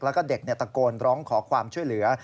แล้วก็เด็กตะโกนร้องขอความช่วยเหลือ